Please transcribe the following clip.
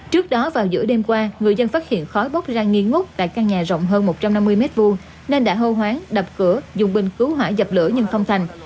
trước đó vào giữa đêm qua người dân phát hiện khói bốc ra nghi ngút tại căn nhà rộng hơn một trăm năm mươi m hai nên đã hô hoáng đập cửa dùng bình cứu hỏa dập lửa nhưng không thành